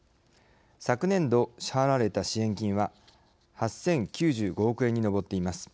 昨年度支払われた支援金は８，０９５億円に上っています。